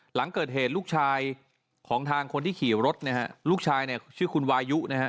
หลังเกิดเหตุลูกชายของทางคนที่ขี่รถนะฮะลูกชายเนี่ยชื่อคุณวายุนะฮะ